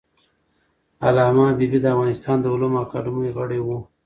علامه حبیبي د افغانستان د علومو اکاډمۍ غړی و.